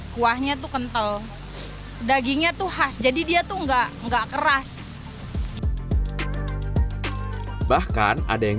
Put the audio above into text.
kuahnya tuh kental dagingnya tuh khas jadi dia tuh enggak enggak keras bahkan ada yang